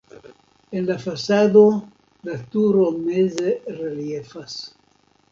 En la fasado la turo meze reliefas.